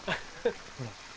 ほら。